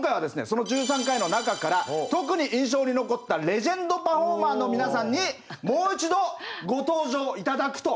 その１３回の中から特に印象に残ったレジェンドパフォーマーの皆さんにもう一度ご登場頂くと。